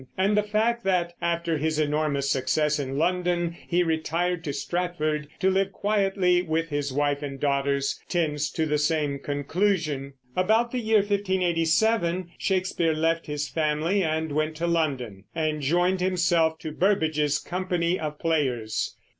And the fact that, after his enormous success in London, he retired to Stratford to live quietly with his wife and daughters, tends to the same conclusion. About the year 1587 Shakespeare left his family and went to London and joined himself to Burbage's company of players.